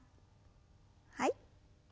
はい。